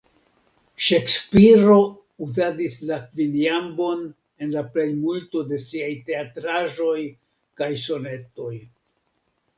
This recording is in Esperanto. Ŝekspiro uzadis la kvinjambon en la plejmulto de siaj teatraĵoj kaj sonetoj.